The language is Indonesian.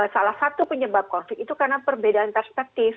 salah satu penyebab covid itu karena perbedaan perspektif